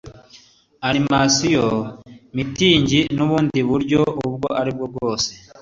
animasiyo, mitingi n'ubundi buryo ubwo ari bwose